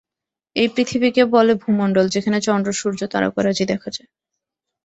এই পৃথিবীকে বলে ভূমণ্ডল, যেখানে চন্দ্র, সূর্য, তারকারাজি দেখা যায়।